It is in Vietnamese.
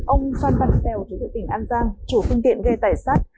ông sơn văn tèo thủ tỉnh an giang chủ phương tiện ghe tài sát